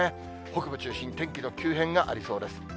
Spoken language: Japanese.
北部中心に天気の急変がありそうです。